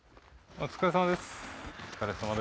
お疲れさまです。